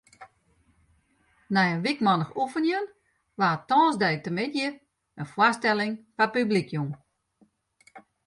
Nei in wykmannich oefenjen waard tongersdeitemiddei in foarstelling foar publyk jûn.